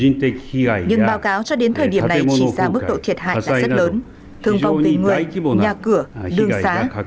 nhưng báo cáo cho đến thời điểm này chỉ ra mức độ thiệt hại là rất lớn thương vong về người nhà cửa đường xá